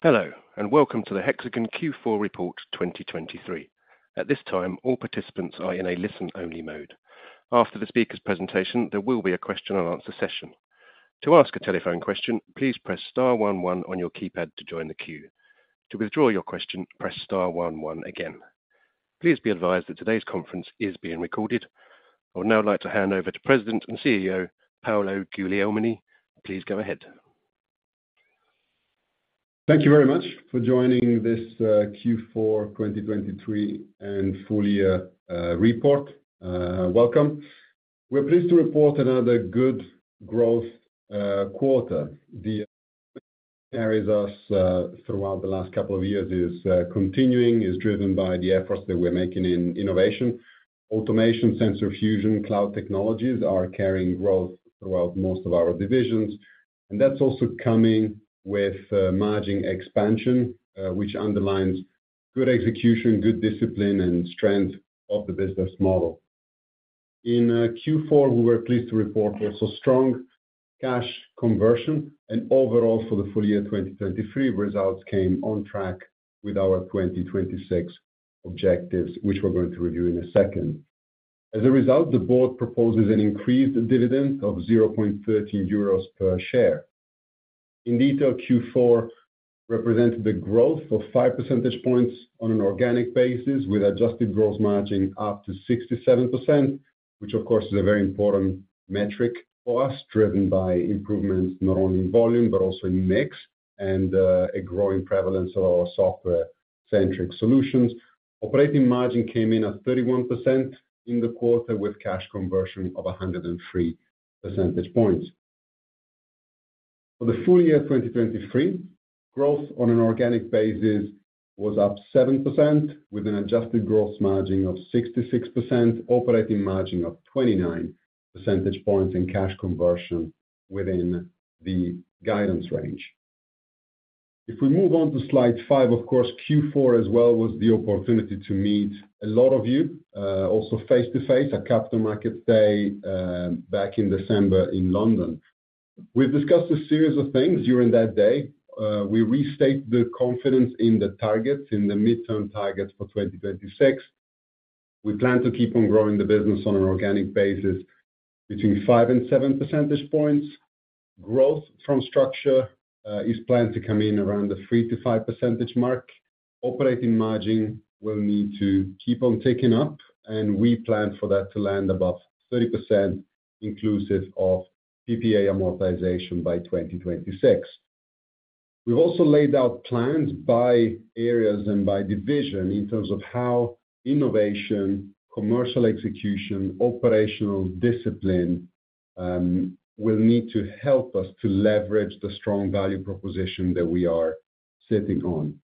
hello and welcome to the Hexagon Q4 Report 2023. At this time, all participants are in a listen-only mode. After the speaker's presentation, there will be a question and answer session. To ask a telephone question, please press star one one on your keypad to join the queue. To withdraw your question, press star one one again. Please be advised that today's conference is being recorded. I would now like to hand over to President and CEO Paolo Guglielmini. Please go ahead. Thank you very much for joining this, Q4 2023 and full year report. Welcome. We're pleased to report another good growth quarter. The carries us throughout the last couple of years is continuing is driven by the efforts that we're making in innovation. Automation, sensor fusion, cloud technologies are carrying growth throughout most of our divisions and that's also coming with margin expansion, which underlines good execution, good discipline and strength of the business model. In Q4, we were pleased to report also strong cash conversion and overall for the full year 2023 results came on track with our 2026 objectives, which we're going to review in a second. As a result, the board proposes an increased dividend of 0.13 euros per share. In detail, Q4 represented the growth of 5 percentage points on an organic basis, with adjusted gross margin up to 67%, which is a very important metric for us, driven by improvements not only in volume also in mix and a growing prevalence of our software-centric solutions. Operating margin came in at 31% in the quarter, with cash conversion of 103 percentage points. For the full year 2023, growth on an organic basis was up 7%, with an adjusted gross margin of 66%, operating margin of 29 percentage points and cash conversion within the guidance range. If we move on to slide 5, Q4 was the opportunity to meet a lot of you also face-to-face at Capital Markets Day back in December in London. We've discussed a series of things during that day. We restate the confidence in the targets, in the midterm targets for 2026. We plan to keep on growing the business on an organic basis between 5 and 7 percentage points. Growth from structure is planned to come in around the 3-5 percentage mark. Operating margin will need to keep on ticking up and we plan for that to land above 30%, inclusive of PPA amortization by 2026. We've also laid out plans by areas and by division in terms of how innovation, commercial execution, operational discipline will need to help us to leverage the strong value proposition that we are sitting on.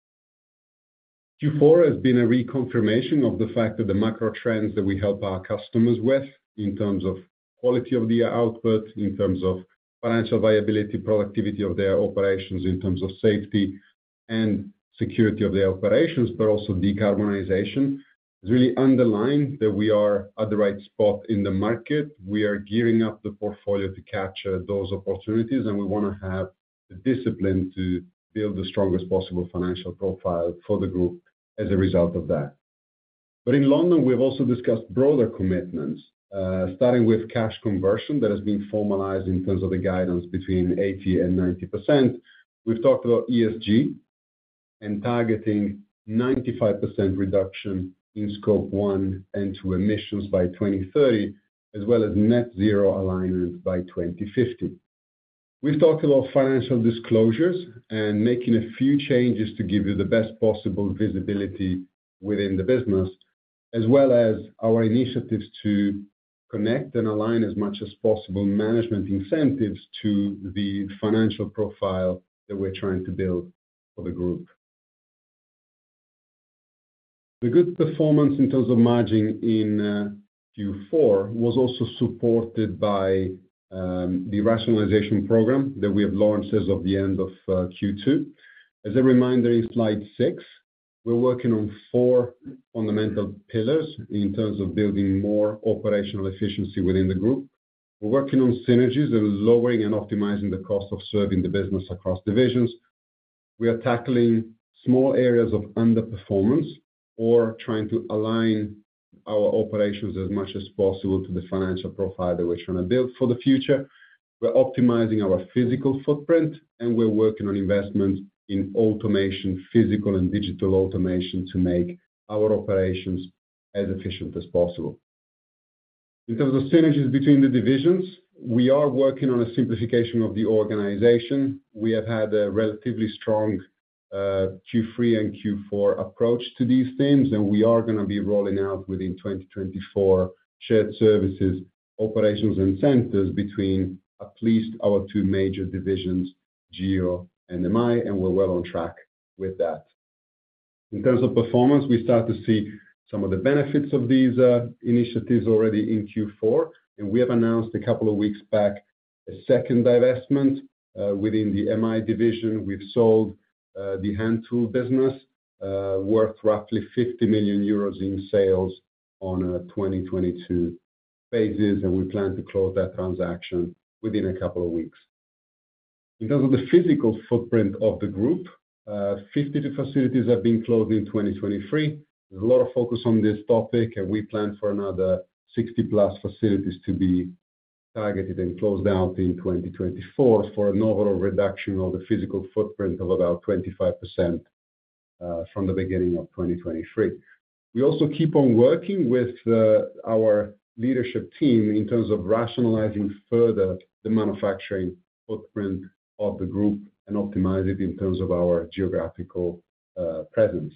Q4 has been a reconfirmation of the fact that the macro trends that we help our customers with in terms of quality of the output, in terms of financial viability, productivity of their operations, in terms of safety and security of their operations, but also decarbonization, has really underlined that we are at the right spot in the market. We are gearing up the portfolio to capture those opportunities and we wanna have the discipline to build the strongest possible financial profile for the group as a result of that. But in London, we've also discussed broader commitments, starting with cash conversion that has been formalized in terms of the guidance between 80% and 90%. We've talked about ESG and targeting 95% reduction in Scope 1 and 2 emissions by 2030 as net zero alignment by 2050. We've talked about financial disclosures and making a few changes to give you the best possible visibility within the business as our initiatives to connect and align as much as possible management incentives to the financial profile that we're trying to build for the group. The good performance in terms of margin in Q4 was also supported by the rationalization program that we have launched as of the end of Q2. As a reminder, in slide six, we're working on four fundamental pillars in terms of building more operational efficiency within the group. We're working on synergies and lowering and optimizing the cost of serving the business across divisions. We are tackling small areas of underperformance or trying to align our operations as much as possible to the financial profile that we're trying to build for the future. We're optimizing our physical footprint and we're working on investments in automation, physical and digital automation, to make our operations as efficient as possible. Because of the synergies between the divisions, we are working on a simplification of the organization. We have had a relatively strong Q3 and Q4 approach to these things and we are gonna be rolling out within 2024 shared services, operations and centers between at least our two major divisions, GEO and MI and we're well on track with that. In terms of performance, we start to see some of the benefits of these initiatives already in Q4 and we have announced a couple of weeks back, a second divestment. Within the MI division, we've sold the hand tool business worth roughly 50 million euros in sales on a 2022. phases and we plan to close that transaction within a couple of weeks. In terms of the physical footprint of the group, 50 facilities have been closed in 2023. There's a lot of focus on this topic and we plan for another 60+ facilities to be targeted and closed down in 2024 for an overall reduction of the physical footprint of about 25% from the beginning of 2023. We also keep on working with, our leadership team in terms of rationalizing further the manufacturing footprint of the group and optimize it in terms of our geographical, presence.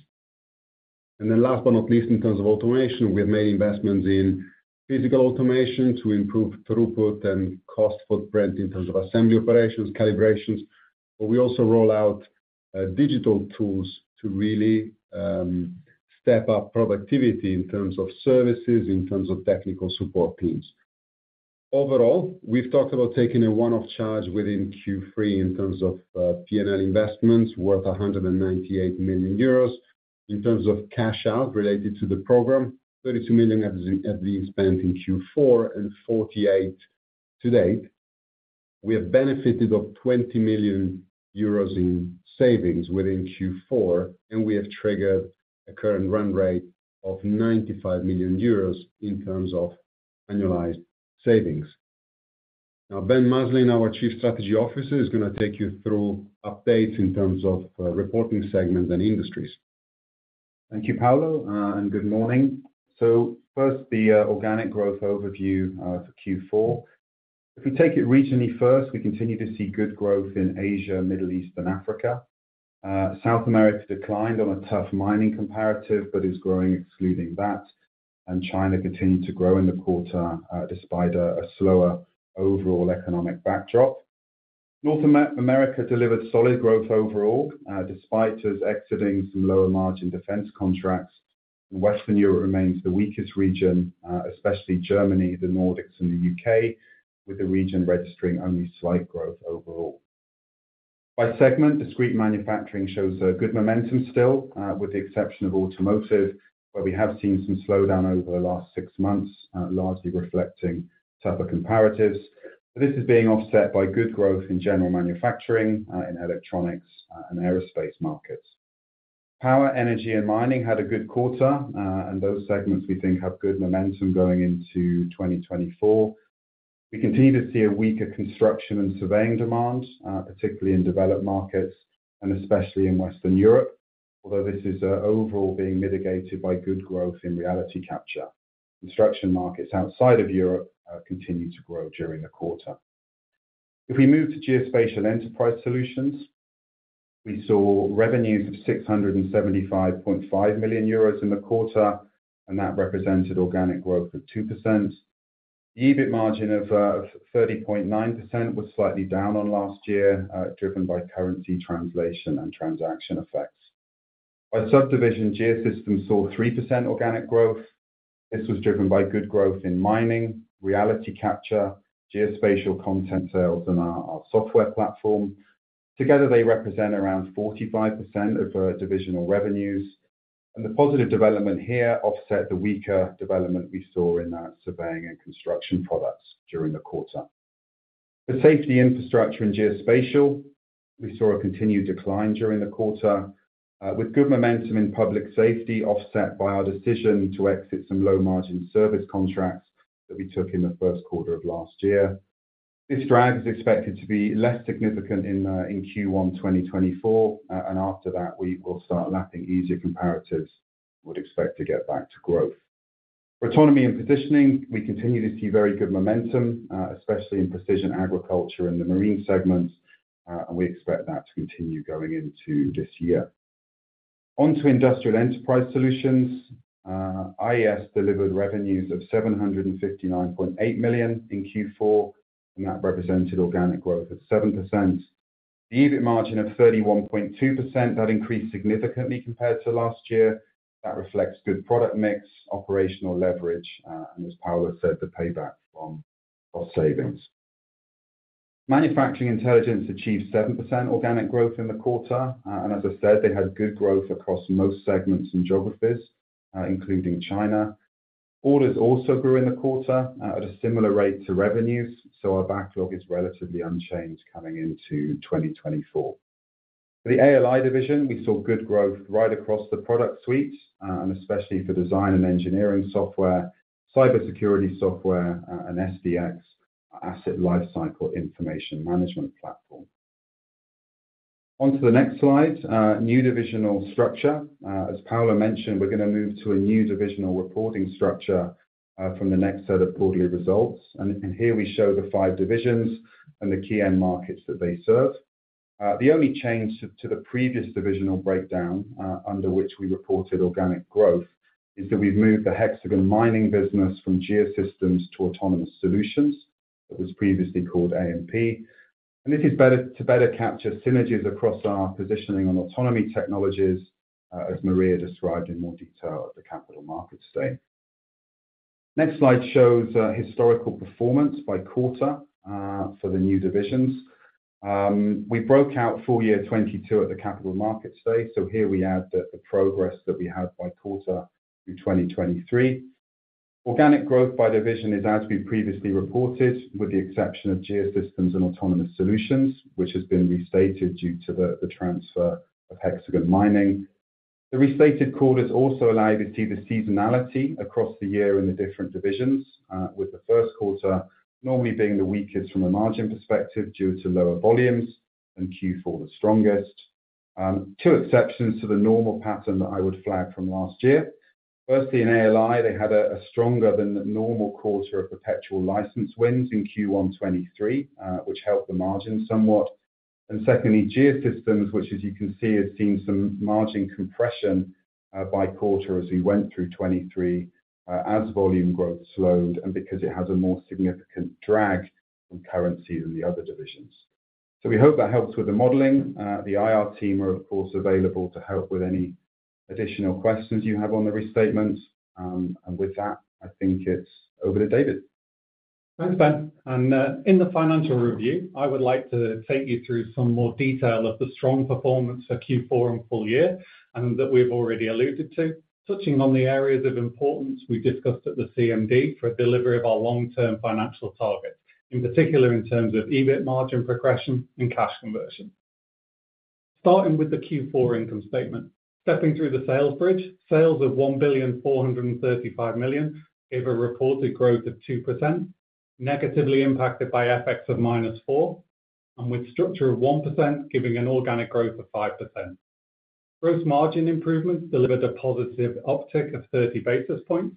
Last but not least, in terms of automation, we have made investments in physical automation to improve throughput and cost footprint in terms of assembly operations, calibrations, but we also roll out digital tools to really step up productivity in terms of services, in terms of technical support teams. Overall, we've talked about taking a one-off charge within Q3 in terms of P&L investments worth 198 million euros. In terms of cash out related to the program, 32 million has been spent in Q4 and 48 million to date. We have benefited of 20 million euros in savings within Q4 and we have triggered a current run rate of 95 million euros in terms of annualized savings. Now, Ben Maslen, Our Chief Strategy Officer is gonna take you through updates in terms of reporting segments and industries. Thank you, Paolo and good morning. First, the organic growth overview for Q4. If we take it regionally first, we continue to see good growth in Asia, Middle East and Africa. South America declined on a tough mining comparative, but is growing excluding that and China continued to grow in the quarter, despite a slower overall economic backdrop. North America delivered solid growth overall, despite us exiting some lower margin defense contracts. Western Europe remains the weakest region, especially Germany, the Nordics and the UK with the region registering only slight growth overall. By segment, discrete manufacturing shows a good momentum still, with the exception of automotive, where we have seen some slowdown over the last six months, largely reflecting tougher comparatives. This is being offset by good growth in general manufacturing in electronics and aerospace markets. Power, energy and mining had a good quarter and those segments, we think, have good momentum going into 2024. We continue to see a weaker construction and surveying demand particularly in developed markets and especially in Western Europe, although this is overall being mitigated by good growth in reality capture. Construction markets outside of Europe continued to grow during the quarter. If we move to Geosystems Enterprise Solutions, we saw revenues of 675.5 million euros in the quarter and that represented organic growth of 2%. EBIT margin of 30.9% was slightly down on last year, driven by currency translation and transaction effects. By subdivision, Geosystems saw 3% organic growth. This was driven by good growth in mining, reality capture, geospatial content sales and our software platform. Together, they represent around 45% of our divisional revenues and the positive development here offset the weaker development we saw in our surveying and construction products during the quarter. The Safety, Infrastructure & Geospatial, we saw a continued decline during the quarter, with good momentum in public safety, offset by our decision to exit some low-margin service contracts that we took in the Q1 of last year. This drag is expected to be less significant in Q1 2024 and after that we will start lapping easier comparatives would expect to get back to growth. For Autonomy and positioning. We continue to see very good momentum, especially in precision agriculture and the marine segments and we expect that to continue going into this year. On to Industrial Enterprise Solutions. IES delivered revenues of 759.8 million in Q4 and that represented organic growth of 7%. The EBIT margin of 31.2%, that increased significantly compared to last year. That reflects good product mix, operational leverage and as Paolo said, the payback on our savings. Manufacturing Intelligence achieved 7% organic growth in the quarter and as I said, they had good growth across most segments and geographies, including China. Orders also grew in the quarter, at a similar rate to revenues, our backlog is relatively unchanged coming into 2024. For the ALI division, we saw good growth right across the product suite and especially for design and engineering software, cybersecurity software and SDx Asset Lifecycle Information Management platform. On to the next slide, new divisional structure. As Paolo mentioned, we're gonna move to a new divisional reporting structure from the next set of quarterly results. Here we show the five divisions and the key end markets that they serve. The only change to the previous divisional breakdown under which we reported organic growth is that we've moved the Hexagon Mining business from Geosystems to Autonomous Solutions. It was previously called A&P and this is better to capture synergies across our positioning on autonomy technologies, as Maria described in more detail at the Capital Markets Day. Next slide shows historical performance by quarter for the new divisions. We broke out full year 2022 at the Capital Markets Day. Here we add the progress that we had by quarter through 2023. Organic growth by division is as we previously reported, with the exception of Geosystems and Autonomous Solutions, which has been restated due to the transfer of Hexagon Mining. The restated quarters also allow you to see the seasonality across the year in the different divisions, with the Q1 normally being the weakest from a margin perspective due to lower volumes and Q4 the strongest. Two exceptions to the normal pattern that I would flag from last year. Firstly, in ALI, they had a stronger than normal quarter of perpetual license wins in Q1 2023, which helped the margin somewhat and secondly, Geosystems, which, as you can see, has seen some margin compression, by quarter as we went through 2023, as volume growth slowed and because it has a more significant drag on currency than the other divisions. We hope that helps with the modeling. The IR team are available to help with any additional questions you have on the restatements and with that it's over to David. Thanks, ben and in the financial review, I would like to take you through some more detail of the strong performance for Q4 and full year and that we've already alluded to, touching on the areas of importance we discussed at the CMD for delivery of our long-term financial targets, in particular, in terms of EBIT margin progression and cash conversion. Starting with the Q4 income statement. Stepping through the sales bridge, sales of 1,435 million gave a reported growth of 2%, negatively impacted by FX of -4% and with structure of 1%, giving an organic growth of 5%. Gross margin improvements delivered a positive uptick of 30 basis points.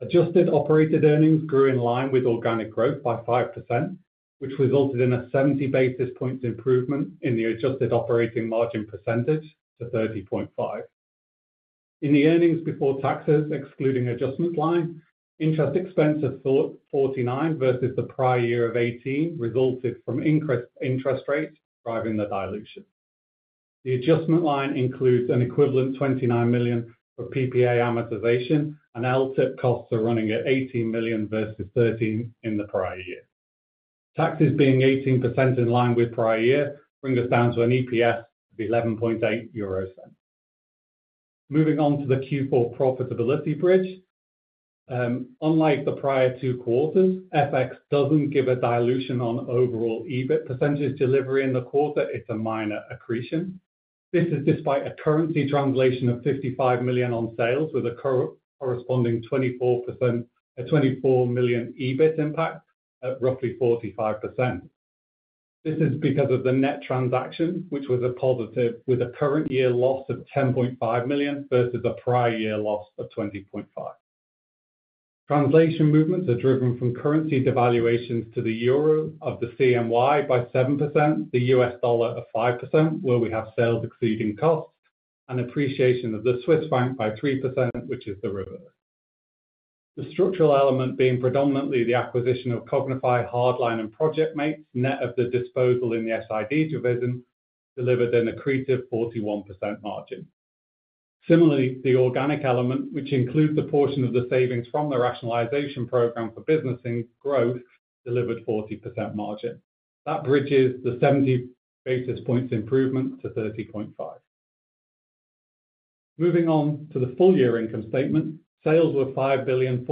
Adjusted operated earnings grew in line with organic growth by 5%, which resulted in a 70 basis points improvement in the adjusted operating margin percentage to 30.5%. In the earnings before taxes, excluding adjustment line, interest expense of 49 million versus the prior year of 18 million, resulted from increased interest rates driving the dilution. The adjustment line includes an equivalent 29 million for PPA amortization and LTIP costs are running at 18 million versus 13 in the prior year. Taxes being 18% in line with prior year, bring us down to an EPS of 0.118. Moving on to the Q4 profitability bridge. Unlike the prior two quarters, FX doesn't give a dilution on overall EBIT percentage delivery in the quarter, it's a minor accretion. This is despite a currency translation of 55 million on sales, with a corresponding 24 million EBIT impact at roughly 45%. This is because of the net transaction, which was a positive, with a current year loss of 10.5 million versus a prior year loss of 20.5 million. Translation movements are driven from currency devaluations to the euro of the CNY by 7%, the US dollar of 5%, where we have sales exceeding costs and appreciation of the Swiss franc by 3%, which is the reverse. The structural element being predominantly the acquisition of Qognify, Hard-Line and Projectmates, net of the disposal in the SIG division, delivered an accretive 41% margin. Similarly, the organic element, which includes the portion of the savings from the rationalization program for business and growth, delivered 40% margin. That bridges the 70 basis points improvement to 30.5. Moving on to the full year income statement. Sales were 5.44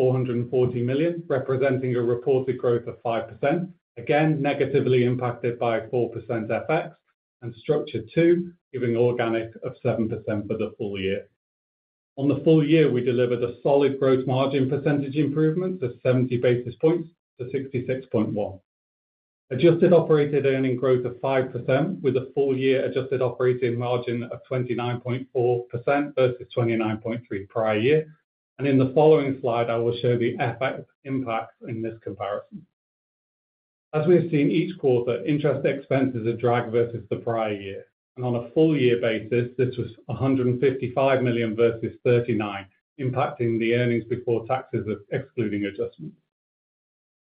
billion, representing a reported growth of 5%, again, negatively impacted by a 4% FX and structure two, giving organic of 7% for the full year. On the full year, we delivered a solid gross margin percentage improvement of 70 basis points to 66.1. Adjusted operated earning growth of 5%, with a full year adjusted operating margin of 29.4% versus 29.3 prior year and in the following slide, I will show the FX impact in this comparison. As we have seen each quarter, interest expenses are drag versus the prior year and on a full year basis, this was 155 million versus 39 million, impacting the earnings before taxes of excluding adjustments.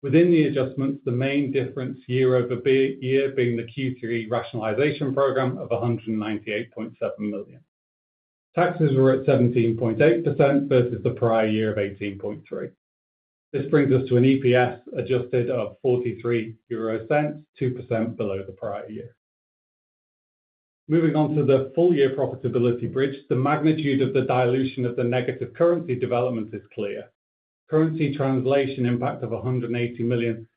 Within the adjustments, the main difference year over year, being the Q3 rationalization program of 198.7 million. Taxes were at 17.8% versus the prior year of 18.3%. This brings us to an adjusted EPS of EUR 0.43, 2% below the prior year. Moving on to the full year profitability bridge, the magnitude of the dilution of the negative currency development is clear. Currency translation impact of 180 million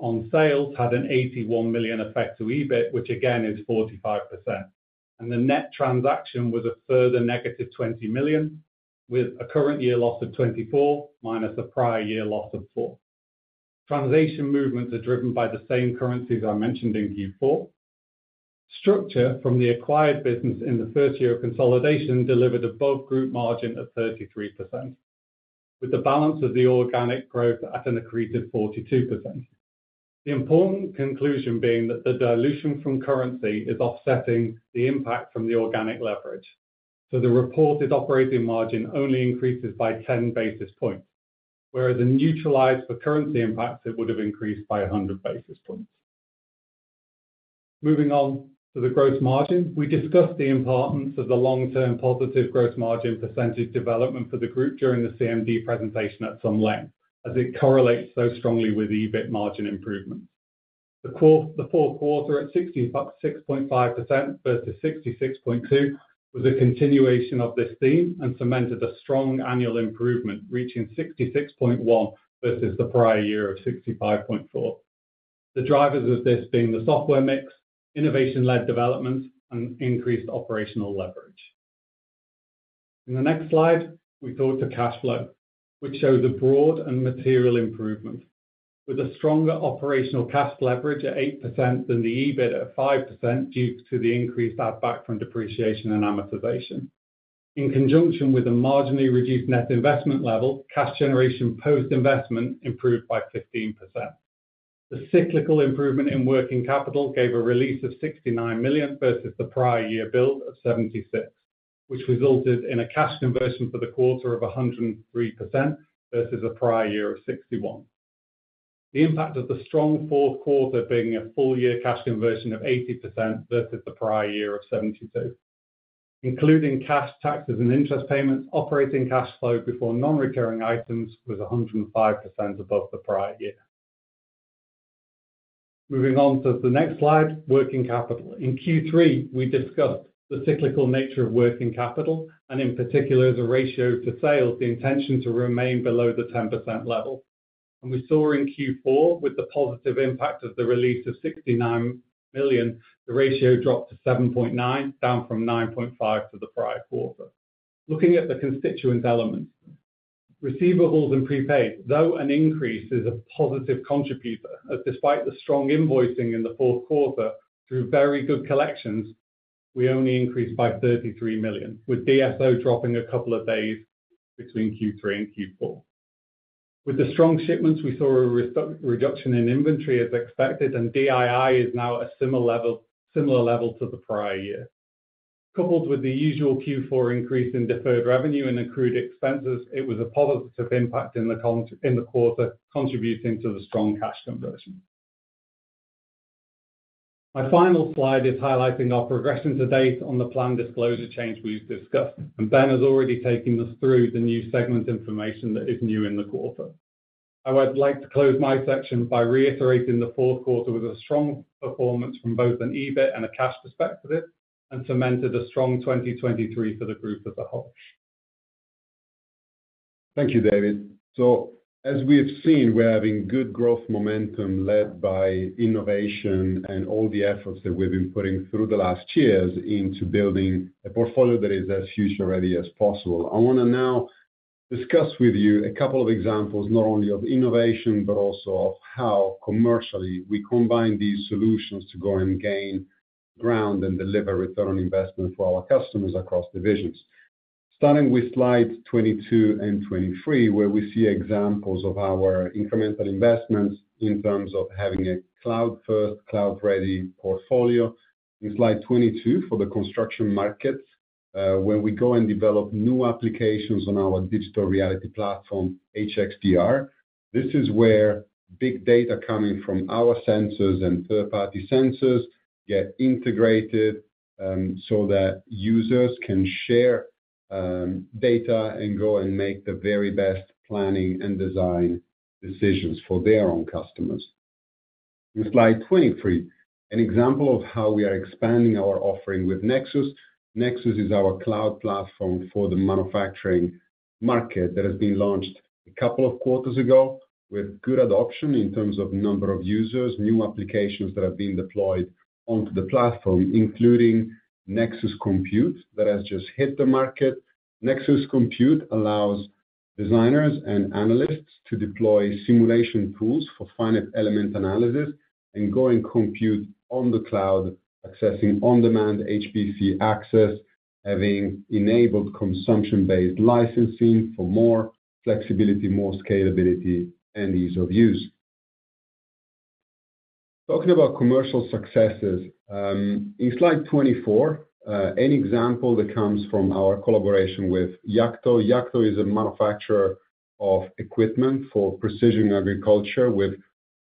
on sales had an 81 million effect to EBIT, which again, is 45% and the net transaction was a further negative 20 million, with a current year loss of 24, minus a prior year loss of 4. Translation movements are driven by the same currencies I mentioned in Q4. Structure from the acquired business in the first year of consolidation delivered above group margin of 33%, with the balance of the organic growth at an accreted 42%. The important conclusion being that the dilution from currency is offsetting the impact from the organic leverage. The reported operating margin only increases by 10 basis points, whereas the neutralized for currency impacts, it would have increased by 100 basis points. Moving on to the gross margin. We discussed the importance of the long-term positive gross margin percentage development for the group during the CMD presentation at some length as it correlates strongly with the EBIT margin improvement. The Q4 at 65.5% versus 66.2%, was a continuation of this theme and cemented a strong annual improvement, reaching 66.1% versus the prior year of 65.4%. The drivers of this being the software mix, innovation-led developments and increased operational leverage. In the next slide, we go to cash flow, which shows a broad and material improvement, with a stronger operational cash leverage at 8% than the EBIT at 5%, due to the increased add back from depreciation and amortization. In conjunction with a marginally reduced net investment level, cash generation post-investment improved by 15%. The cyclical improvement in working capital gave a release of 69 million versus the prior year build of 76 million, which resulted in a cash conversion for the quarter of 103% versus a prior year of 61%. The impact of the strong Q4 being a full year cash conversion of 80% versus the prior year of 72%. Including cash, taxes and interest payments, operating cash flow before non-recurring items was 105% above the prior year. Moving on to the next slide, working capital. In Q3, we discussed the cyclical nature of working capital and in particular, the ratio to sales, the intention to remain below the 10% level. We saw in Q4 with the positive impact of the release of 69 million, the ratio dropped to 7.9, down from 9.5 for the prior quarter. Looking at the constituent elements, receivables and prepaid, though an increase is a positive contributor, as despite the strong invoicing in the Q4 through very good collections, we only increased by 33 million, with DSO dropping a couple of days between Q3 and Q4. With the strong shipments, we saw a reduction in inventory as expected and DII is now a similar level to the prior year. Coupled with the usual Q4 increase in deferred revenue and accrued expenses, it was a positive impact on the cash in the quarter, contributing to the strong cash conversion. My final slide is highlighting our progression to date on the planned disclosure change we've discussed and Ben has already taken us through the new segment information that is new in the quarter. I would like to close my section by reiterating the Q4 was a strong performance from both an EBIT and a cash perspective and cemented a strong 2023 for the group as a whole. Thank you, David. As we have seen, we're having good growth momentum led by innovation and all the efforts that we've been putting through the last years into building a portfolio that is as future-ready as possible. I want to now discuss with you a couple of examples, not only of innovation, but also of how commercially we combine these solutions to go and gain ground and deliver return on investment for our customers across divisions. Starting with slide 22 and 23, where we see examples of our incremental investments in terms of having a cloud-first, cloud-ready portfolio. In slide 22, for the construction market, where we go and develop new applications on our digital reality platform, HxDR. This is where big data coming from our sensors and third-party sensors get integrated that users can share data and go and make the very best planning and design decisions for their own customers. In slide 23, an example of how we are expanding our offering with Nexus. Nexus is our cloud platform for the manufacturing market that has been launched a couple of quarters ago, with good adoption in terms of number of users, new applications that have been deployed onto the platform, including Nexus Compute, that has just hit the market. Nexus Compute allows designers and analysts to deploy simulation tools for finite element analysis and go and compute on the cloud, accessing on-demand HPC access, having enabled consumption-based licensing for more flexibility, more scalability and ease of use. Talking about commercial successes, in slide 24, an example that comes from our collaboration with Yanmar. Yanmar is a manufacturer of equipment for precision agriculture, with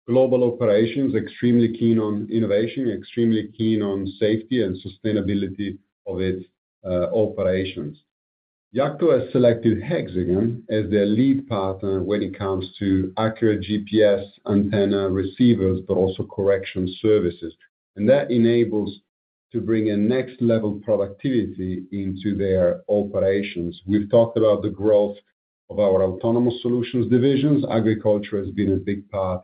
global operations, extremely keen on innovation, extremely keen on safety and sustainability of its operations. Yanmar has selected Hexagon as their lead partner when it comes to accurate GPS antenna receivers, but also correction services and that enables to bring a next-level productivity into their operations. We've talked about the growth of our autonomous solutions divisions. Agriculture has been a big part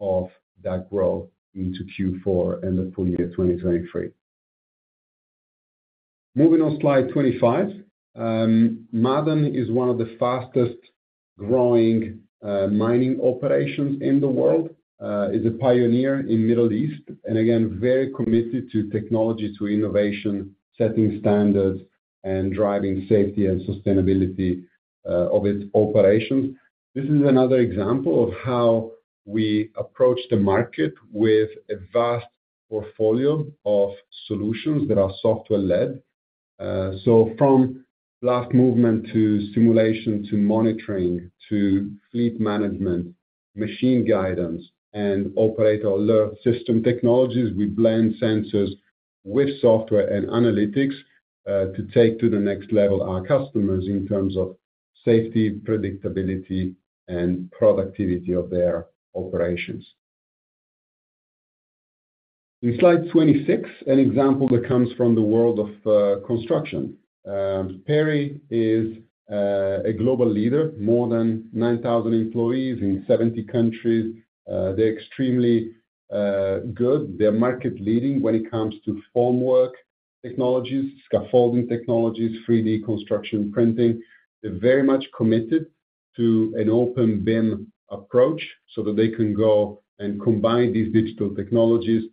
of that growth into Q4 and the full year 2023. Moving on slide 25. Ma'aden is one of the fastest-growing mining operations in the world, is a pioneer in Middle East and again, very committed to technology, to innovation, setting standards and driving safety and sustainability of its operations. This is another example of how we approach the market with a vast portfolio of solutions that are software-led. From blast movement, to simulation, to monitoring, to fleet management, machine guidance and operator alert system technologies, we blend sensors with software and analytics, to take to the next level our customers in terms of safety, predictability and productivity of their operations. In slide 26, an example that comes from the world of construction. PERI is a global leader, more than 9,000 employees in 70 countries. They're extremely good. They're market leading when it comes to formwork technologies, scaffolding technologies, 3D construction printing. They're very much committed to an open BIM approach that they can go and combine these digital technologies,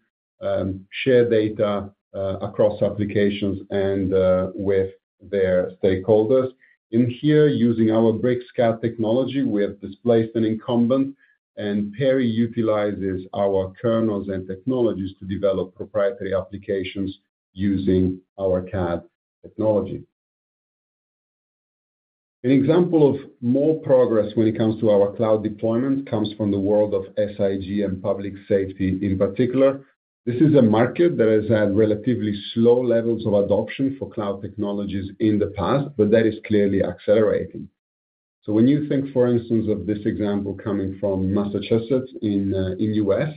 share data across applications and with their stakeholders. In here, using our BricsCAD technology, we have displaced an incumbent and PERI utilizes our kernels and technologies to develop proprietary applications using our CAD technology. An example of more progress when it comes to our cloud deployment comes from the world of SIG and public safety in particular. This is a market that has had relatively slow levels of adoption for cloud technologies in the past, but that is clearly accelerating. When you think, for instance, of this example coming from Massachusetts in the U.S.,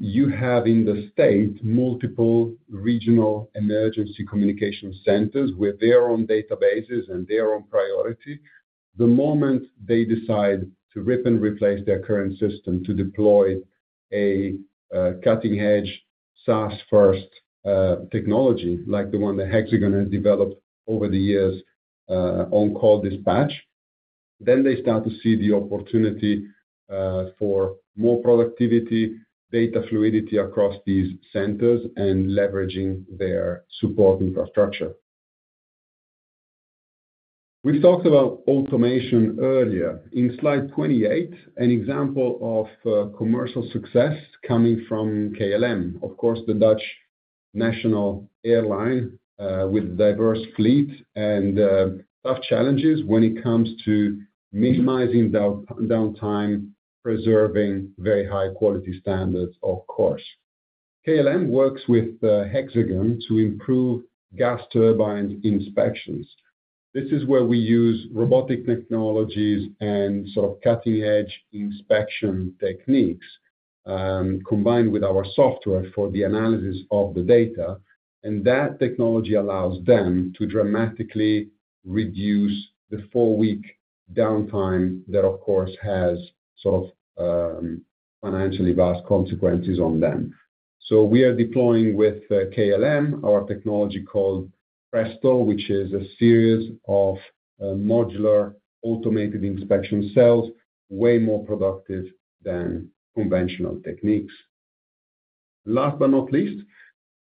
you have in the state multiple regional emergency communication centers with their own databases and their own priority. The moment they decide to rip and replace their current system to deploy a cutting-edge, SaaS-first technology like the one that Hexagon has developed over the years, OnCall Dispatch, then they start to see the opportunity for more productivity, data fluidity across these centers and leveraging their support infrastructure. We've talked about automation earlier. In slide 28, an example of commercial success coming from KLM. The Dutch national airline with diverse fleet and tough challenges when it comes to minimizing downtime preserving very high quality standards. KLM works with Hexagon to improve gas turbine inspections. This is where we use robotic technologies and cutting-edge inspection techniques, combined with our software for the analysis of the data and that technology allows them to dramatically reduce the 4-week downtime that has financially vast consequences on them. We are deploying with KLM our technology called Presto, which is a series of modular automated inspection cells, way more productive than conventional techniques. Last but not least,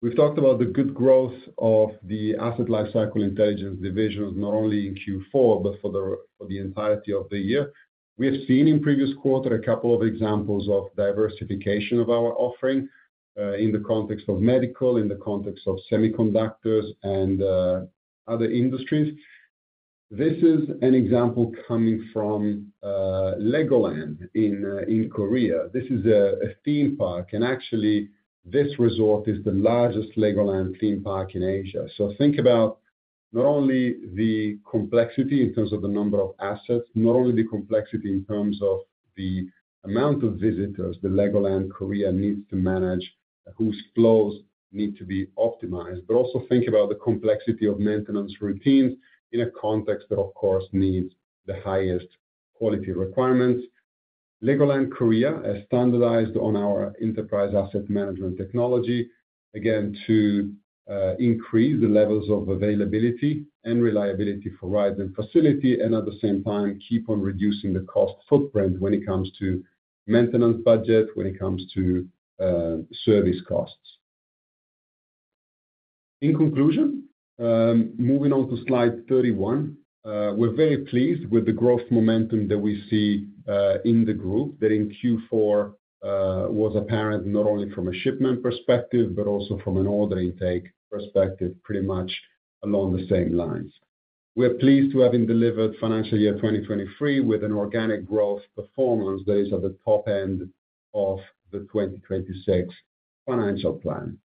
we've talked about the good growth of the asset lifecycle intelligence divisions, not only in Q4, but for the entirety of the year. We have seen in previous quarter a couple of examples of diversification of our offering in the context of medical, in the context of semiconductors and other industries. This is an example coming from Legoland in Korea. This is a theme park and actually, this resort is the largest Legoland theme park in Asia. Think about not only the complexity in terms of the number of assets, not only the complexity in terms of the amount of visitors that Legoland Korea needs to manage, whose flows need to be optimized, but also think about the complexity of maintenance routines in a context that needs the highest quality requirements. Legoland Korea has standardized on our enterprise asset management technology, again, to increase the levels of availability and reliability for rides and facility and at the same time, keep on reducing the cost footprint when it comes to maintenance budget, when it comes to service costs. In conclusion, moving on to slide 31. We're very pleased with the growth momentum that we see in the group, that in Q4 was apparent not only from a shipment perspective, but also from an order intake perspective, pretty much along the same lines. We're pleased to having delivered financial year 2023 with an organic growth performance that is at the top end of the 2026 financial plan.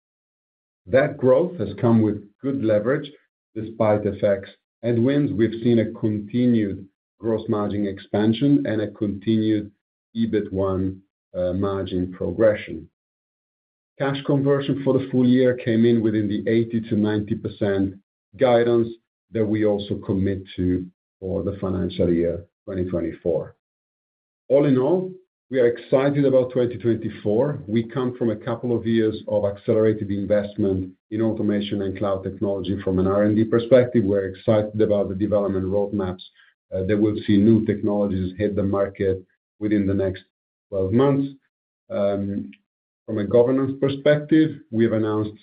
That growth has come with good leverage. Despite the headwinds, we've seen a continued gross margin expansion and a continued EBIT margin progression. Cash conversion for the full year came in within the 80%-90% guidance that we also commit to for the financial year 2024. All in all, we are excited about 2024. We come from a couple of years of accelerated investment in automation and cloud technology. From an R&D perspective, we're excited about the development roadmaps that will see new technologies hit the market within the next 12 months. From a governance perspective, we have announced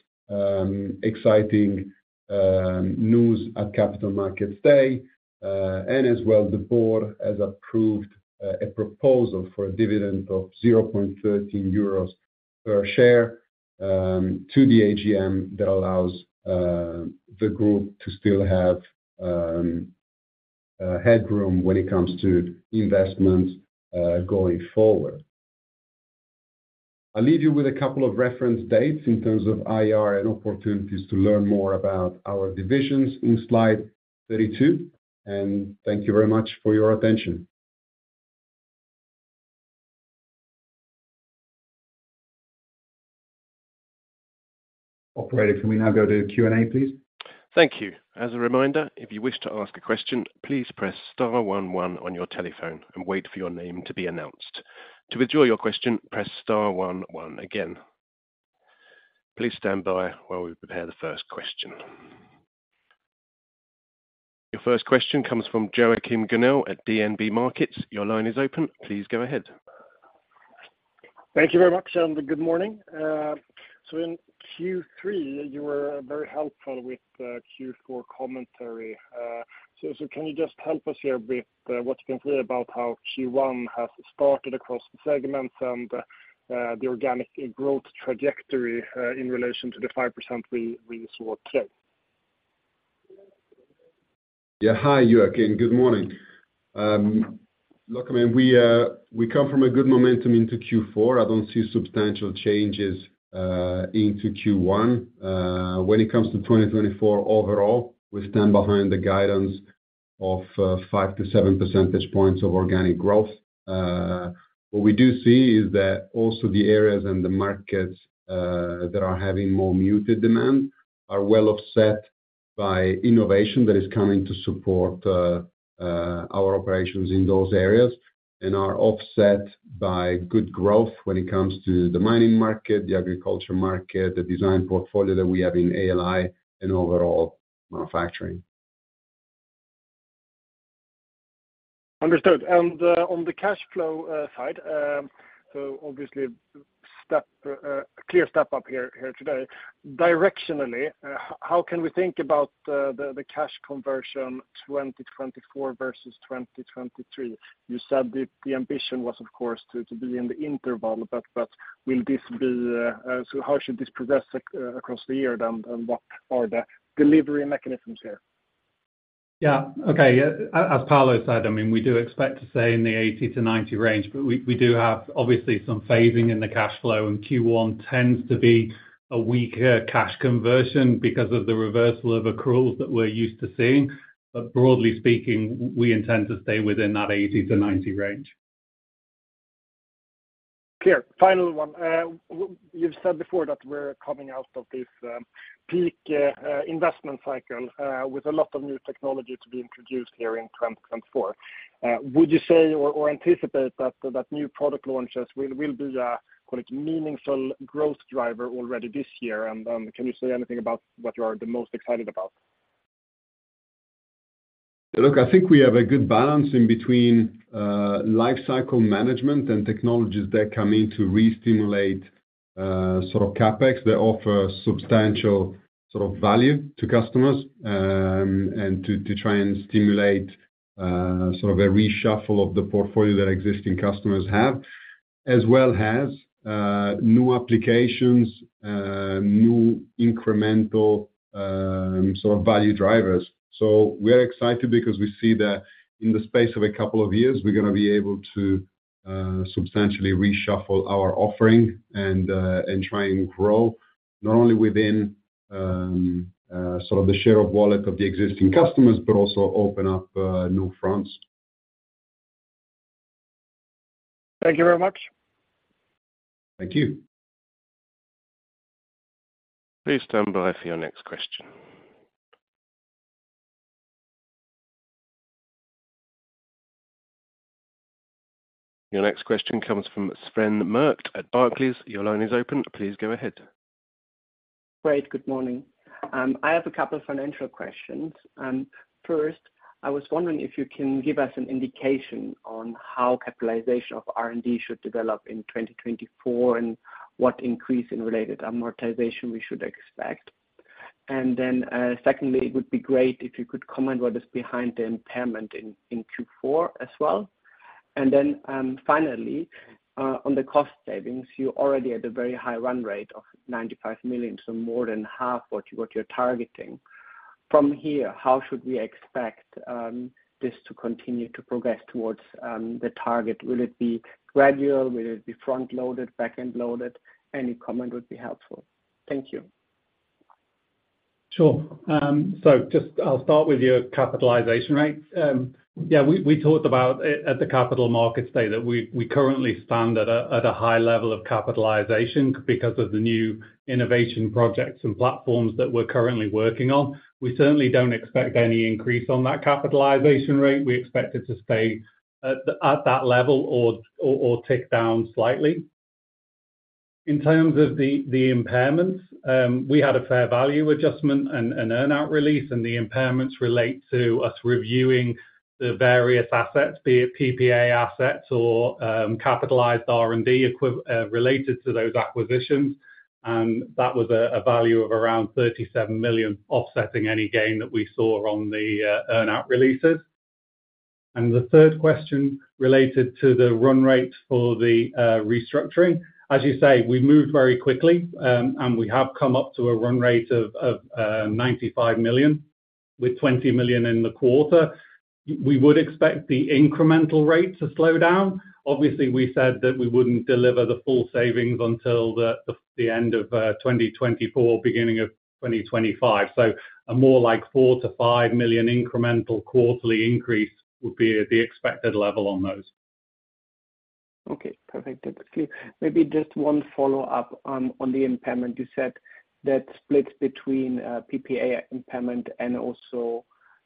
exciting news at Capital Markets day and the board has approved a proposal for a dividend of 0.13 euros per share to the AGM that allows the group to still have headroom when it comes to investments going forward. I'll leave you with a couple of reference dates in terms of IR and opportunities to learn more about our divisions in slide 32 and thank you very much for your attention. Operator, can we now go to Q&A, please. Thank you. As a reminder, if you wish to ask a question, please press star one, one on your telephone and wait for your name to be announced. To withdraw your question, press star one, one again. Please stand by while we prepare the first question. Your first question comes from Joachim Gunell at DNB Markets. Your line is open. Please go ahead. Thank you very much and good morning. In Q3, you were very helpful with Q4 commentary. Can you just help us here with what you can say about how Q1 has started across the segments and the organic growth trajectory in relation to the 5% we saw today. Hi, Joachim. Good morning. Look, we come from a good momentum into Q4. I don't see substantial changes into Q1. When it comes to 2024 overall, we stand behind the guidance of 5-7 percentage points of organic growth. What we do see is that also the areas and the markets that are having more muted demand are well offset by innovation that is coming to support our operations in those areas and are offset by good growth when it comes to the mining market, the agriculture market, the design portfolio that we have in ALI and overall manufacturing. understood and on the cash flow, side obviously step, a clear step up here today. Directionally, how can we think about the cash conversion 2024 versus 2023. You said the ambition was to be in the interval but will this be. How should this progress across the year and what are the delivery mechanisms here. As Paolo said, We do expect to stay in the 80%-90% range, we do have obviously some phasing in the cash flow and Q1 tends to be a weaker cash conversion because of the reversal of accruals that we're used to seeing. Broadly speaking, we intend to stay within that 80%-90% range. Clear. Final one. You've said before that we're coming out of this peak investment cycle with a lot of new technology to be introduced here in 2024. Would you say or anticipate that new product launches will be a, call it, meaningful growth driver already this year. And can you say anything about what you are the most excited about. Look, we have a good balance in between, life cycle management and technologies that come in to re-stimulate, CapEx that offer substantial value to customers and to, to try and stimulate a reshuffle of the portfolio that existing customers have new applications, new incremental value drivers. We are excited because we see that in the space of a couple of years, we're gonna be able to, substantially reshuffle our offering and and try and grow, not only within the share of wallet of the existing customers but also open up new fronts. Thank you very much. Thank you. Please stand by for your next question. Your next question comes from Sven Merkt at Barclays. Your line is open. Please go ahead. Great. Good morning. I have a couple of financial questions. First, I was wondering if you can give us an indication on how capitalization of R&D should develop in 2024 and what increase in related amortization we should expect and then, secondly, it would be great if you could comment what is behind the impairment in Q4 and then finally on the cost savings, you're already at a very high run rate of 95 million more than half what you're targeting. From here, how should we expect this to continue to progress towards the target. Will it be gradual. Will it be front-loaded, back-end loaded. Any comment would be helpful. Thank you. Sure. Just I'll start with your capitalization rate. We talked about at the Capital Markets Day, that we currently stand at a high level of capitalization because of the new innovation projects and platforms that we're currently working on. We certainly don't expect any increase on that capitalization rate. We expect it to stay at that level or tick down slightly. In terms of the impairments, we had a fair value adjustment and earn out release and the impairments relate to us reviewing the various assets, be it PPA assets or capitalized R&D related to those acquisitions and that was a value of around 37 million, offsetting any gain that we saw on the earn out releases. The third question related to the run rate for the restructuring. As you say, we moved very quickly and we have come up to a run rate of 95 million, with 20 million in the quarter. We would expect the incremental rate to slow down. Obviously, we said that we wouldn't deliver the full savings until the end of 2024, beginning of 2025 more like 4-5 million incremental quarterly increase would be at the expected level on those. Perfect. That's clear. Maybe just one follow-up on the impairment. You said that splits between PPA impairment and also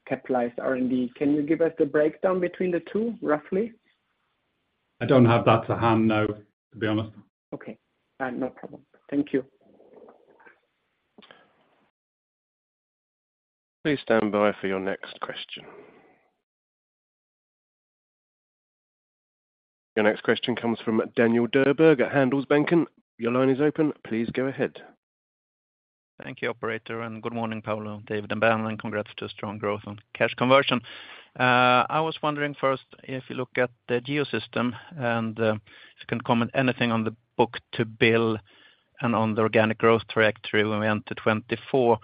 capitalized R&D. Can you give us the breakdown between the two, roughly. I don't have that to hand now, to be honest. No problem. Thank you. Please stand by for your next question. Your next question comes from Daniel Djurberg at Handelsbanken. Your line is open. Please go ahead. Thank you, operator and good morning, Paolo, david and ben and congrats to strong growth on cash conversion. I was wondering first, if you look at the geosystems and if you can comment anything on the book-to-bill and on the organic growth trajectory when we enter 2024.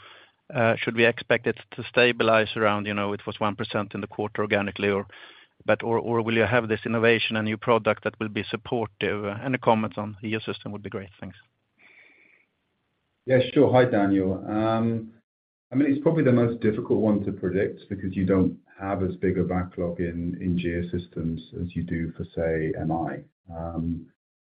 Should we expect it to stabilize around it was 1% in the quarter organically or—but, or, or will you have this innovation and new product that will be supportive. Any comments on Geosystems would be great. Thanks. Hi, Daniel. It's probably the most difficult one to predict because you don't have as big a backlog in Geosystems as you do for, say, MI.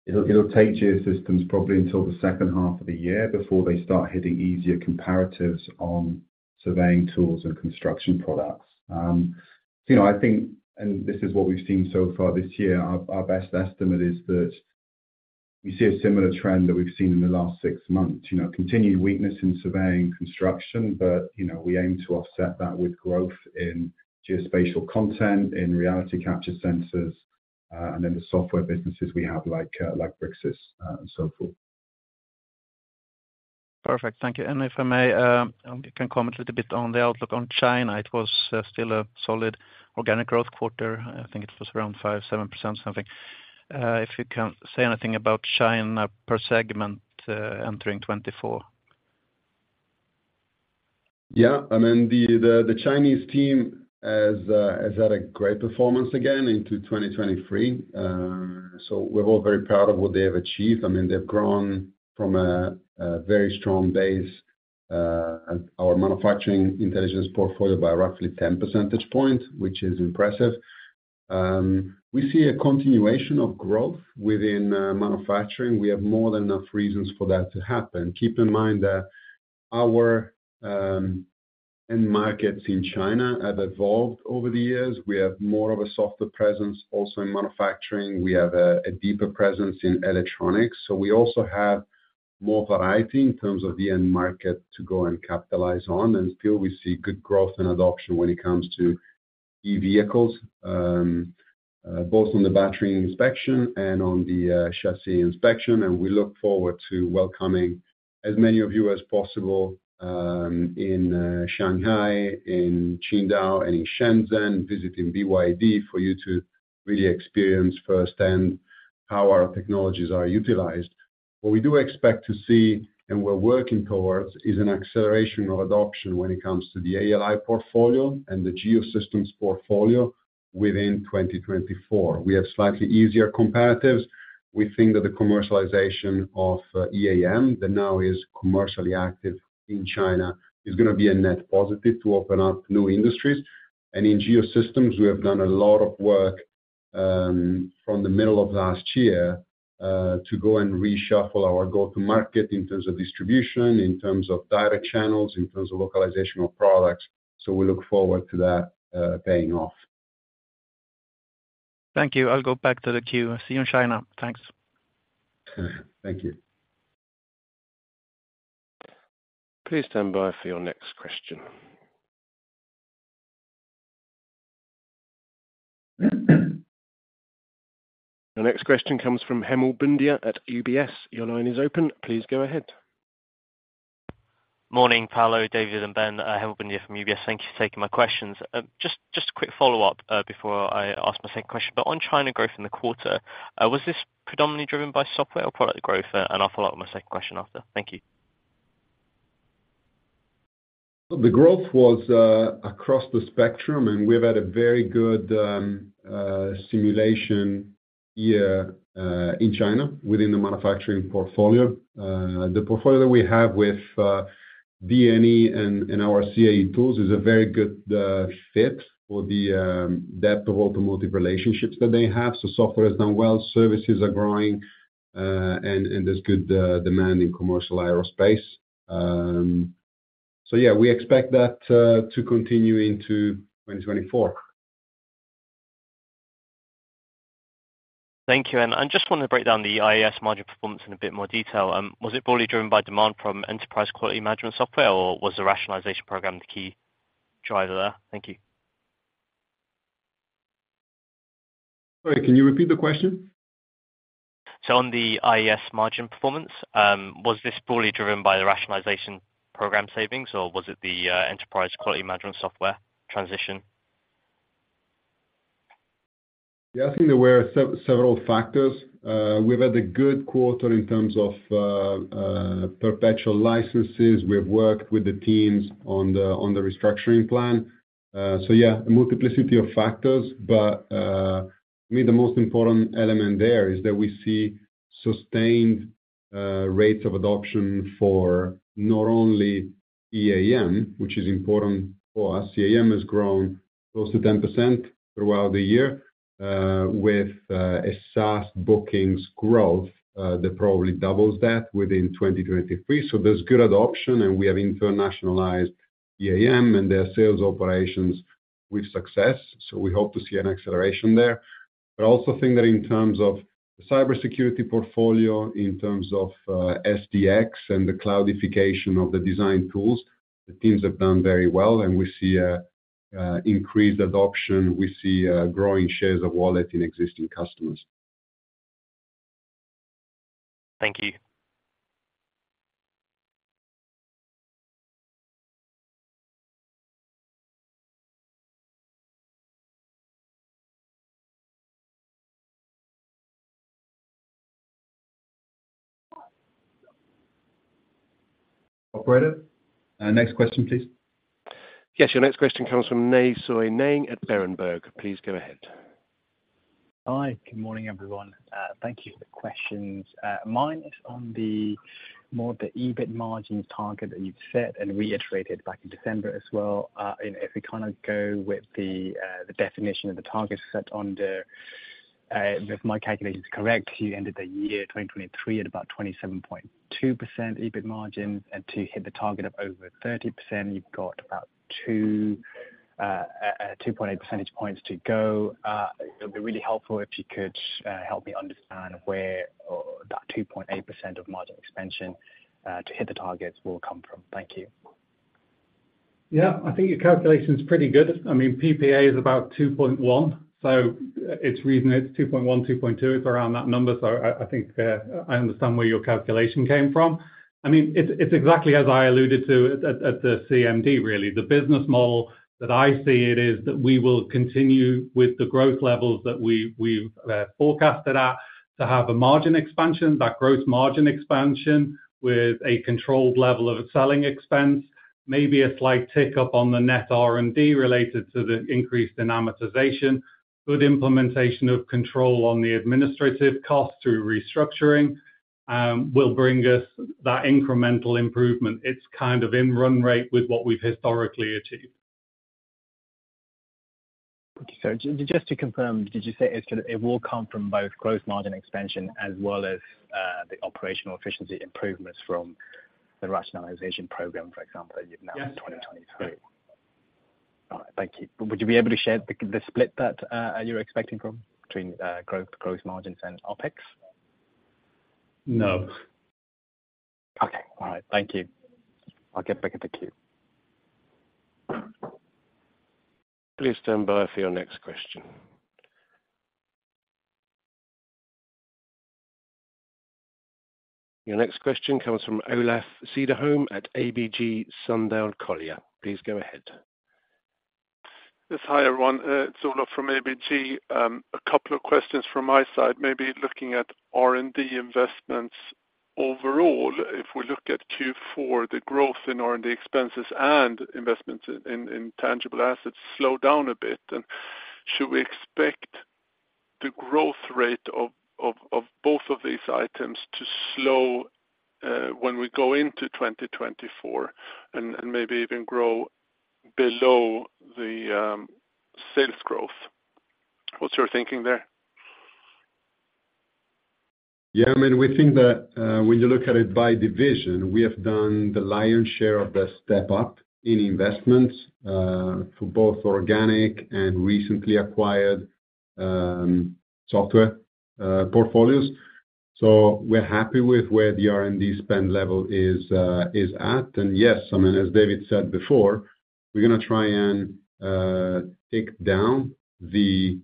It'll take Geosystems probably until the second half of the year before they start hitting easier comparatives on surveying tools and construction products and this is what we've seen far this year, our best estimate is that we see a similar trend that we've seen in the last six months continued weakness in surveying construction we aim to offset that with growth in geospatial content, in reality capture sensors and then the software businesses we have like Bricsys and forth. Perfect. Thank you and if I may, can comment a little bit on the outlook on China. It was, still a solid organic growth quarter. It was around 5%-7%, something. If you can say anything about China per segment, entering 2024. The Chinese team has had a great performance again into 2023. We're all very proud of what they have achieved. They've grown from a very strong base, our manufacturing intelligence portfolio by roughly 10 percentage points, which is impressive. We see a continuation of growth within manufacturing. We have more than enough reasons for that to happen. Keep in mind that our end markets in China have evolved over the years. We have more of a softer presence also in manufacturing. We have a deeper presence in electronics, we also have more variety in terms of the end market to go and capitalize on and still we see good growth and adoption when it comes to e-vehicles, both on the battery inspection and on the chassis inspection. We look forward to welcoming as many of you as possible, in Shanghai, in Qingdao and in Shenzhen, visiting BYD, for you to really experience firsthand how our technologies are utilized. What we do expect to see and we're working towards, is an acceleration of adoption when it comes to the ALI portfolio and the Geosystems portfolio within 2024. We have slightly easier comparatives. We think that the commercialization of EAM, that now is commercially active in China, is gonna be a net positive to open up new industries and in Geosystems, we have done a lot of work, from the middle of last year, to go and reshuffle our go-to market in terms of distribution, in terms of direct channels, in terms of localization of products. We look forward to that paying off. Thank you. I'll go back to the queue. See you in China. Thanks. Thank you. Please stand by for your next question. The next question comes from Hemal Bhundia at UBS. Your line is open. Please go ahead. Morning, Paolo, david and Ben. Hemal Bundia from UBS. Thank you for taking my questions. Just, just a quick follow-up before I ask my second question. But on China growth in the quarter, was this predominantly driven by software or product growth. And I'll follow up with my second question after. Thank you. The growth was across the spectrum and we've had a very good simulation year in China within the manufacturing portfolio. The portfolio that we have with DNE and our CAE tools is a very good fit for the depth of automotive relationships that they have. Software has done well, services are growing and there's good demand in commercial aerospace. We expect that to continue into 2024. Thank you and I just wanted to break down the IAS margin performance in a bit more detail. Was it fully driven by demand from enterprise quality management software, or was the rationalization program the key driver there. Thank you. Can you repeat the question. On the IES margin performance, was this poorly driven by the rationalization program savings, or was it the, enterprise quality management software transition. There were several factors. We've had a good quarter in terms of perpetual licenses. We've worked with the teams on the restructuring plan. A multiplicity of factors, but to me, the most important element there is that we see sustained rates of adoption for not only EAM, which is important for us. EAM has grown close to 10% throughout the year, with a SaaS bookings growth that probably doubles that within 2023. There's good adoption and we have internationalized EAM and their sales operations with success, we hope to see an acceleration there. But I also think that in terms of the cybersecurity portfolio, in terms of SDx and the cloudification of the design tools, the teams have done very well and we see an increased adoption. We see growing shares of wallet in existing customers. Thank you. Operator, next question, please. Yes, your next question comes from Nay Soe Naing at Berenberg. Please go ahead. Hi, good morning, everyone. Thank you for the questions. Mine is on the more, the EBIT margin target that you've set and reiterated back in December as well and if we go with the definition of the targets set on the, if my calculation is correct, you ended the year 2023 at about 27.2% EBIT margin and to hit the target of over 30%, you've got about 2.8 percentage points to go. It'll be really helpful if you could help me understand where that 2.8% of margin expansion to hit the targets will come from. Thank you. Your calculation is pretty good. PPA is about 2.1, It's reason it's 2.1-2.2, it's around that number. I understand where your calculation came from it's exactly as I alluded to at the CMD, really. The business model that I see it is that we will continue with the growth levels that we've forecasted at to have a margin expansion. That growth margin expansion with a controlled level of selling expense, maybe a slight tick up on the net R&D related to the increase in amortization. Good implementation of control on the administrative costs through restructuring will bring us that incremental improvement. It's in run rate with what we've historically achieved. Just to confirm, did you say it's gonna, it will come from both growth margin expansion as well as the operational efficiency improvements from the rationalization program, for example, you've announced in 2023. Yes. All right, thank you. Would you be able to share the split that you're expecting from between growth margins and OpEx. No. All right, thank you. I'll get back in the queue. Please stand by for your next question. Your next question comes from Olaf Cederholm at ABG Sundal Collier. Please go ahead. Yes. Hi, everyone. It's Olf from ABG. A couple of questions from my side, maybe looking at R&D investments. Overall, if we look at Q4, the growth in R&D expenses and investments in tangible assets slow down a bit and should we expect the growth rate of both of these items to slow when we go into 2024 and maybe even grow below the sales growth. What's your thinking there. We think that when you look at it by division, we have done the lion's share of the step up in investments for both organic and recently acquired software, portfolios. We're happy with where the R&D spend level is at and yes as David said before, we're gonna try and take down the,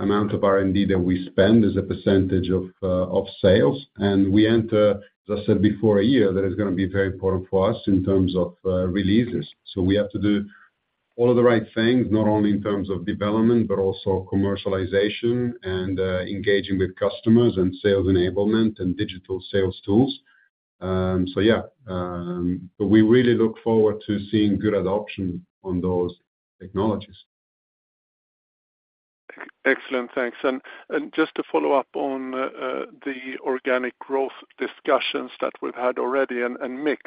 amount of R&D that we spend as a percentage of sales and we enter I said before a year that is gonna be very important for us in terms of, releases. We have to do all of the right things, not only in terms of development, but also commercialization and engaging with customers and sales enablement and digital sales tools. We really look forward to seeing good adoption on those technologies. Excellent, thanks and just to follow up on the organic growth discussions that we've had already and mix.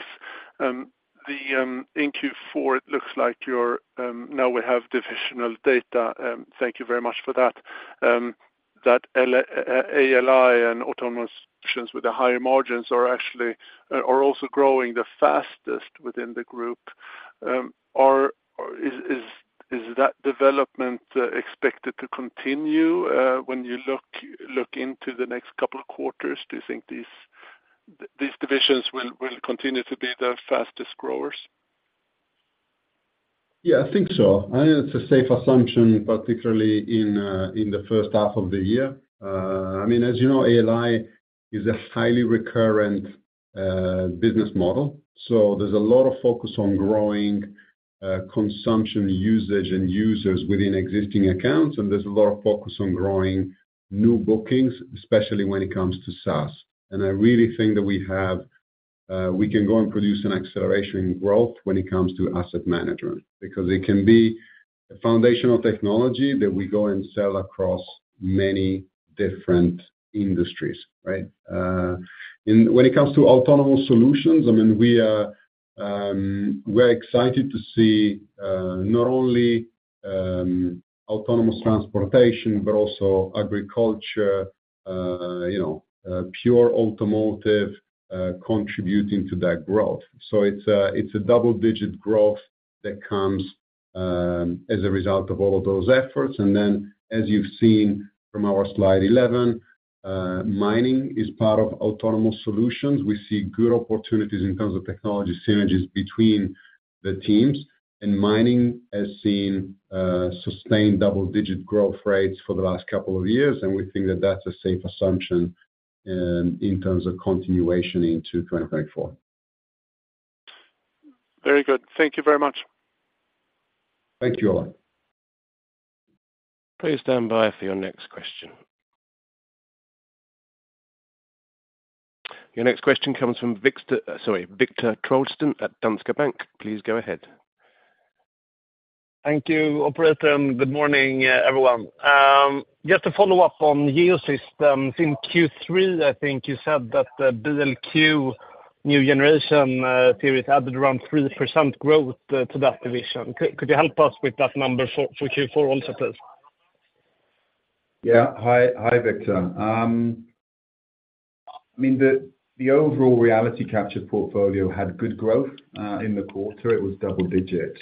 In Q4, it looks like you're now we have divisional data, thank you very much for that. That ALI and Autonomous Solutions with the higher margins are actually are also growing the fastest within the group. Is that development expected to continue when you look into the next couple of quarters. Do you think these divisions will continue to be the fastest growers. It's a safe assumption particularly in the first half of the year. ALI is a highly recurrent, business model, There's a lot of focus on growing, consumption, usage and users within existing accounts and there's a lot of focus on growing new bookings, especially when it comes to saas and I really think that we have, we can go and produce an acceleration in growth when it comes to asset management, because it can be a foundational technology that we go and sell across many different industries, right. And when it comes to autonomous solutions we're excited to see not only autonomous transportation also agriculture pure automotive, contributing to that growth. It's a double-digit growth that comes as a result of all of those efforts and then, as you've seen from our slide 11, mining is part of autonomous solutions. We see good opportunities in terms of technology synergies between the teams and mining has seen sustained double-digit growth rates for the last couple of years and we think that that's a safe assumption in terms of continuation into 2024. Very good. Thank you very much. Thank you, Ola. Please stand by for your next question. Your next question comes from Victor, sorry, Viktor Trollsten at Danske Bank. Please go ahead. Thank you, operator and good morning, everyone. Just to follow up on Geosystems, in Q3, you said that the BLK new generation series added around 3% growth to that division. Could you help us with that number for Q4 also, please. Hi, Viktor. the overall Reality Capture portfolio had good growth in the quarter. It was double-digit.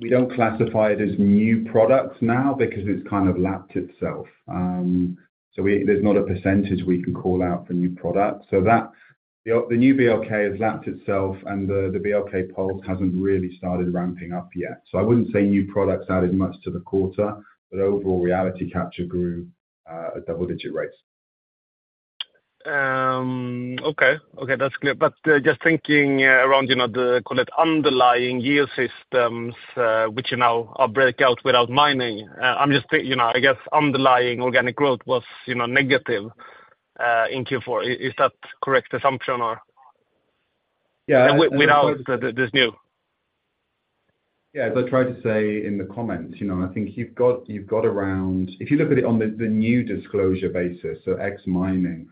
We don't classify it as new products now because it's lapped itself. There's not a percentage we can call out for new products. The new BLK has lapped itself and the BLK Pulse hasn't really started ramping up yet. I wouldn't say new products added much to the quarter, but overall Reality Capture grew at double-digit rates. That's clear. But just thinking around the call, It underlying yield systems which are breakout without mining. I'm just underlying organic growth was negative in Q4. Is that correct assumption or- Yes Without this new. As I tried to say in the comments, you've got around. If you look at it on the new disclosure basis, so ex mining,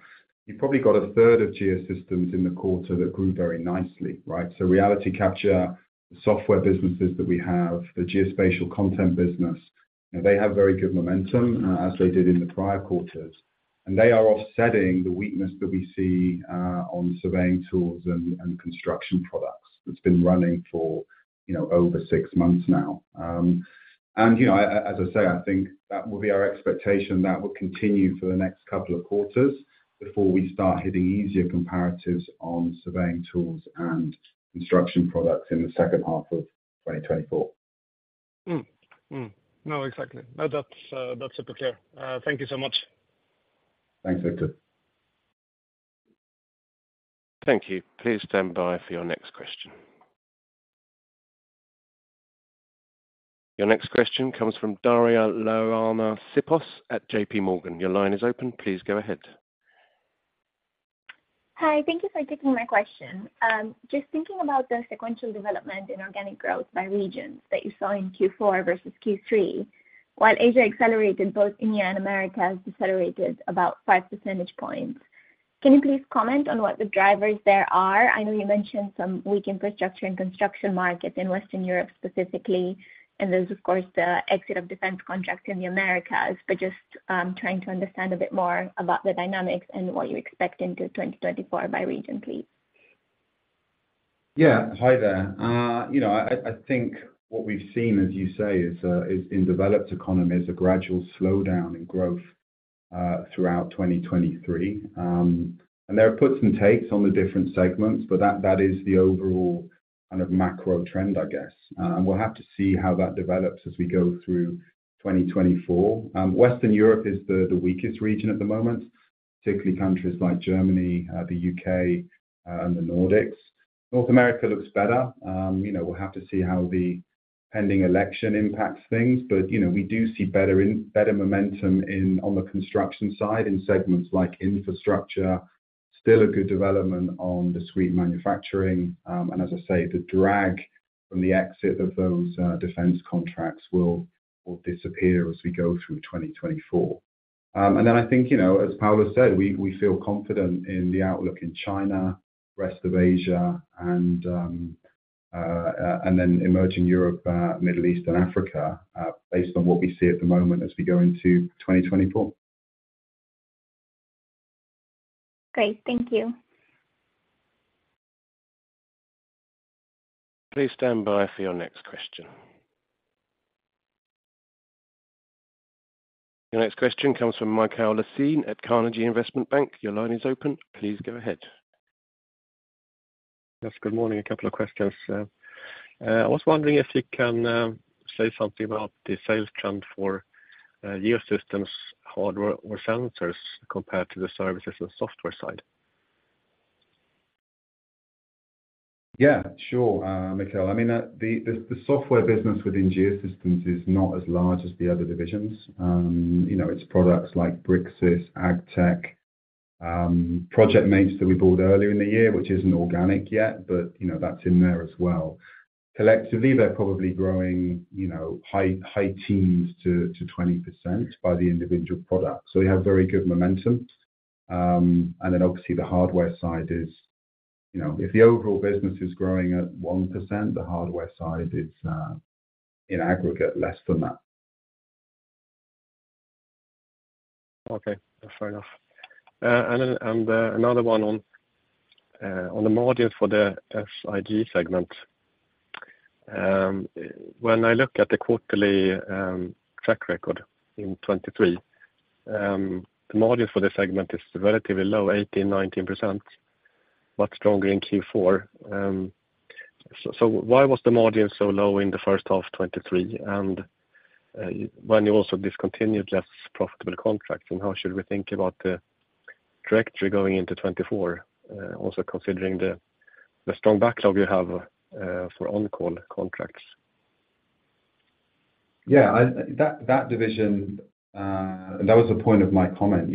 you've probably got a third of Geosystems in the quarter that grew very nicely, right. Reality Capture, software businesses that we have, the geospatial content business, they have very good momentum, as they did in the prior quarters and they are offsetting the weakness that we see on surveying tools and construction products. That's been running for over six months now and that will be our expectation. That will continue for the next couple of quarters before we start hitting easier comparatives on surveying tools and construction products in the second half of 2024. No, exactly. No, that's, that's super clear. Thank you so much. Thanks, Viktor. Thank you. Please stand by for your next question. Your next question comes from Daria-loana Sipos at JPMorgan. Your line is open. Please go ahead. Hi. Thank you for taking my question. Just thinking about the sequential development in organic growth by regions that you saw in Q4 versus Q3, while Asia accelerated, both India and America has decelerated about five percentage points. Can you please comment on what the drivers there are. You mentioned some weak infrastructure and construction markets in Western Europe specifically and there's the exit of defense contracts in the Americas. But just, trying to understand a bit more about the dynamics and what you expect into 2024 by region, please. What we've seen, as you say, is in developed economies, a gradual slowdown in growth throughout 2023 and there are puts and takes on the different segments, but that is the overall macro trend and we'll have to see how that develops as we go through 2024. Western Europe is the weakest region at the moment, particularly countries like Germany, the UK and the Nordics. North America looks better. We'll have to see how the pending election impacts things we do see better momentum in, on the construction side, in segments like infrastructure. Still a good development on discrete manufacturing. The drag from the exit of those defense contracts will disappear as we go through 2024 and then as Paolo said we feel confident in the outlook in China, rest of Asia and then emerging Europe, Middle East and Africa, based on what we see at the moment as we go into 2024. Great. Thank you. Please stand by for your next question. Your next question comes from Mikael Laséen at Carnegie Investment Bank. Your line is open. Please go ahead. Yes, Good Morning. A couple of questions. I was wondering if you can say something about the sales trend for Geosystems, hardware or sensors, compared to the services and software side. Sure, Michael. The software business within Geosystems is not as large as the other divisions. It's products like Bricsys, Agtek, Project Mates that we bought earlier in the year, which isn't organic yet, that's in there as well. Collectively, they're probably growing high teens to 20% by the individual product. We have very good momentum and then, obviously, the hardware side is if the overall business is growing at 1%, the hardware side is in aggregate less than that. Fair enough and then another one on the margin for the SIG segment. When I look at the quarterly track record in 2023, the margin for the segment is relatively low, 18%-19%, much stronger in Q4. Why was the margin so low in the first half of 2023. And when you also discontinued less profitable contracts and how should we think about the trajectory going into 2024, also considering the strong backlog you have for OnCall contracts. That division, that was the point of my comment.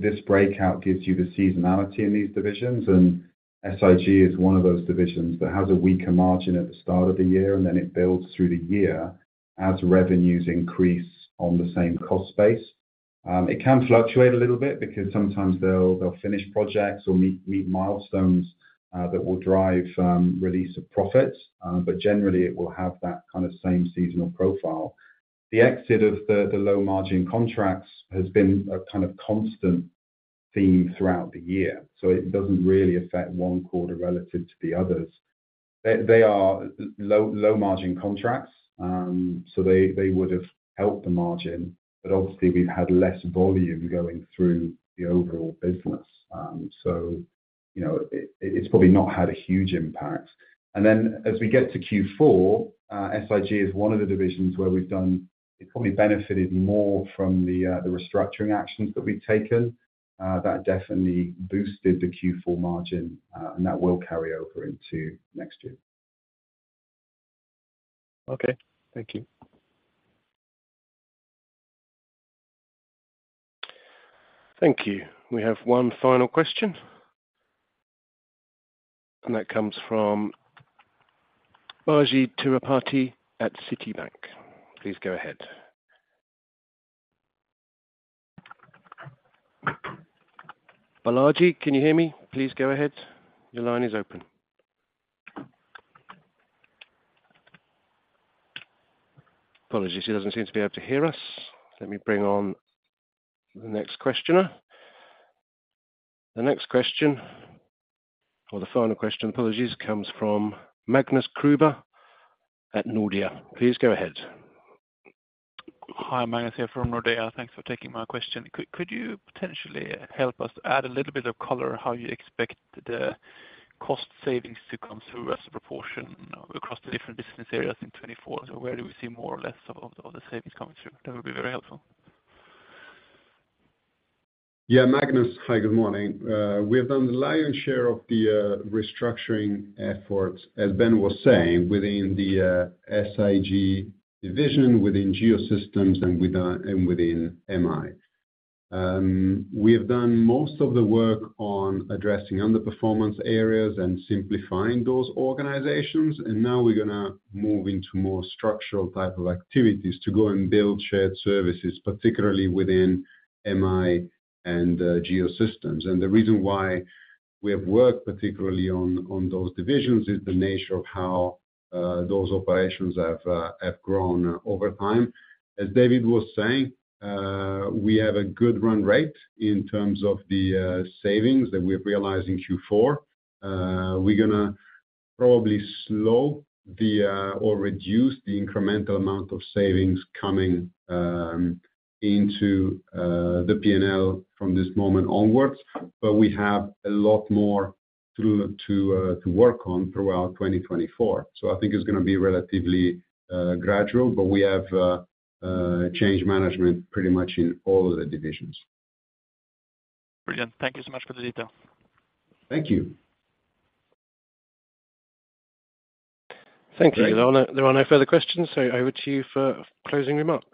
This breakout gives you the seasonality in these divisions and SIG is one of those divisions that has a weaker margin at the start of the year and then it builds through the year as revenues increase on the same cost base. It can fluctuate a little bit because sometimes they'll finish projects or meet milestones that will drive release of profits, but generally, it will have that same seasonal profile. The exit of the low margin contracts has been a constant theme throughout the year, It doesn't really affect one quarter relative to the others. They are low-margin contracts, they would have helped the margin, but obviously, we've had less volume going through the overall business. It's probably not had a huge impact and then, as we get to Q4, SIG is one of the divisions where we've done it probably benefited more from the, the restructuring actions that we've taken. That definitely boosted the Q4 margin and that will carry over into next year. Thank you. Thank you. We have one final question and that comes from Balaji Tirupati at Citibank. Please go ahead. Balaji, can you hear me. Please go ahead. Your line is open. Apologies, he doesn't seem to be able to hear us. Let me bring on the next questioner. The next question, or the final question, apologies, comes from Magnus Kruber at Nordea. Please go ahead. Hi, Magnus here from Nordea. Thanks for taking my question. Could you potentially help us add a little bit of color, how you expect the cost savings to come through as a proportion across the different business areas in 2024. Where do we see more or less of the savings coming through. That would be very helpful. Magnus, hi, good morning. We have done the lion's share of the restructuring efforts, as Ben was saying, within the SIG division, within Geo Systems and within MI. We have done most of the work on addressing underperformance areas and simplifying those organizations and now we're gonna move into more structural type of activities to go and build shared services, particularly within MI and Geo Systems. The reason why we have worked particularly on those divisions is the nature of how those operations have grown over time. As David was saying, we have a good run rate in terms of the savings that we've realized in Q4. We're gonna probably slow the or reduce the incremental amount of savings coming into the P&L from this moment onwards, but we have a lot more to work on throughout 2024. It's gonna be relatively gradual, but we have change management pretty much in all of the divisions. Brilliant. Thank you so much for the detail. Thank you. Thank you. There are no further questions, over to you for closing remarks.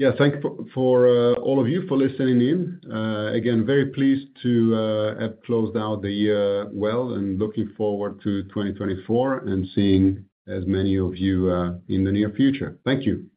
Thank you for all of you for listening in. Again, very pleased to have closed out the year well and looking forward to 2024 and seeing as many of you in the near future. Thank you.